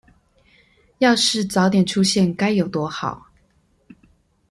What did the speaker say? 要是早點出現該有多好